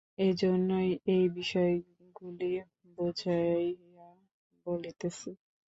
এইজন্যই এই বিষয়গুলি বুঝাইয়া বলিতেছি।